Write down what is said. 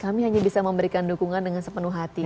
kami hanya bisa memberikan dukungan dengan sepenuh hati